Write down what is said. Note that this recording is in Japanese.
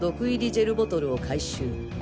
ジェルボトルを回収。